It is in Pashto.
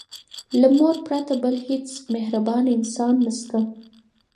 له مور پرته بل هيڅ مهربانه انسان نسته.